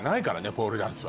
ポールダンスは。